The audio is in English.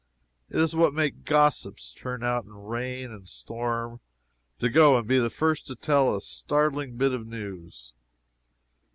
It is what makes gossips turn out in rain and storm to go and be the first to tell a startling bit of news.